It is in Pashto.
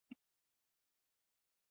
د کور د اوبو بوی بدلون وڅارئ.